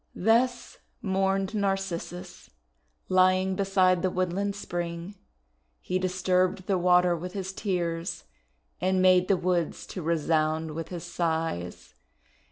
'1 Thus mourned Narcissus, lying beside the woodland spring. He disturbed the water with his tears, and made the woods to resound with his sighs.